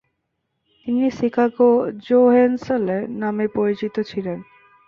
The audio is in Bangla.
তিনি "শিকাগো জো" হেন্সলে নামে পরিচিত ছিলেন।